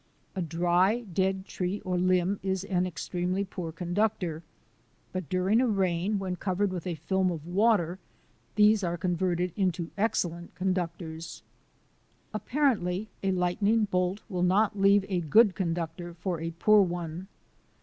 A dry, dead tree or limb is an extremely poor conductor. But during a rain when covered with i 34 THE ADVENTURES OF A NATURE GUIDE a film of water these are converted into excellent conductors. Apparently a lightning bolt will not leave a good conductor for a poor one.